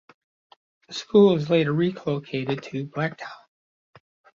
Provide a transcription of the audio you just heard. This school was later relocated to "Black Town".